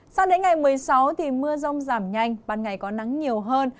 sau đến ngày một mươi sáu thì mưa rong giảm nhanh ban ngày có nắng nhiều hơn